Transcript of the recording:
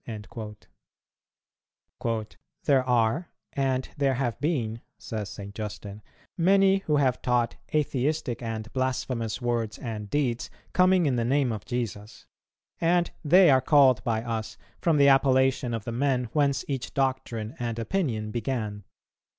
"[258:1] "There are, and there have been," says St. Justin, "many who have taught atheistic and blasphemous words and deeds, coming in the name of Jesus; and they are called by us from the appellation of the men whence each doctrine and opinion began